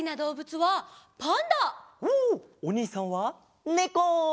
おにいさんはねこ！